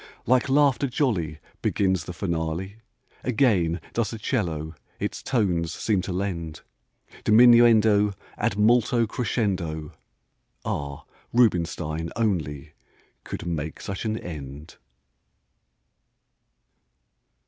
Like laughter jolly Begins the finale; Again does the 'cello its tones seem to lend Diminuendo ad molto crescendo. Ah! Rubinstein only could make such an end!